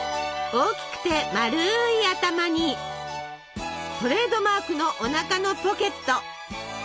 大きくて丸い頭にトレードマークのおなかのポケット。